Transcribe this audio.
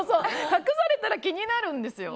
隠されたら気になるんですよ。